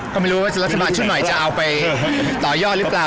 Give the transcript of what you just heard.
ก็ไม่รู้ว่ารัฐบาลชุดใหม่จะเอาไปต่อยอดหรือเปล่า